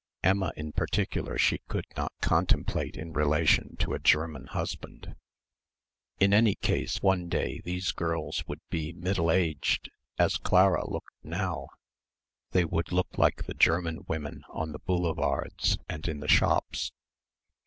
Emma in particular she could not contemplate in relation to a German husband. In any case one day these girls would be middle aged ... as Clara looked now ... they would look like the German women on the boulevards and in the shops.